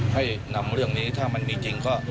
ให้นำเรื่องนี้ถ้ามันมีจริงก็